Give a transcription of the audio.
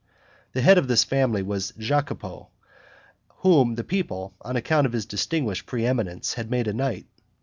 The head of this family was Jacopo, whom the people, on account of his distinguished pre eminence, had made a knight.